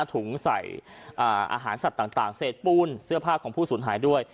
ถุงใส่อาหารสัตว์ต่างเศษปูนเสื้อผ้าของผู้สูญหายด้วย